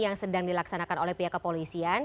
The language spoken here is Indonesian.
yang sedang dilaksanakan oleh pihak kepolisian